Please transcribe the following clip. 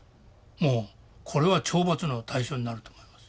もうこれは懲罰の対象になると思います。